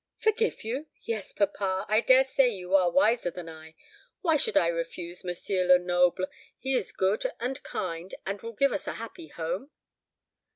"Forgive you? yes, papa. I dare say you are wiser than I. Why should I refuse M. Lenoble? He is good and kind, and will give us a happy home?